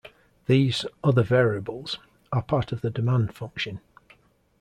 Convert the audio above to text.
These "other variables" are part of the demand function.